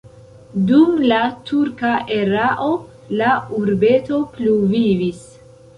Dum la turka erao la urbeto pluvivis.